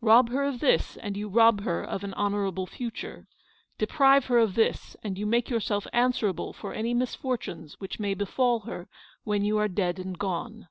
Rob her of this and you rob her of an honourable future. Deprive her of this and you make your self answerable for any misfortunes which may befall her when you are dead and gone.